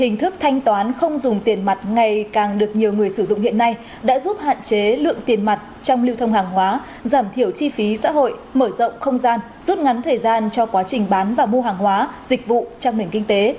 hình thức thanh toán không dùng tiền mặt ngày càng được nhiều người sử dụng hiện nay đã giúp hạn chế lượng tiền mặt trong lưu thông hàng hóa giảm thiểu chi phí xã hội mở rộng không gian rút ngắn thời gian cho quá trình bán và mua hàng hóa dịch vụ trong nền kinh tế